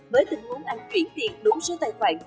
với tình huống anh chuyển tiền đúng số tài khoản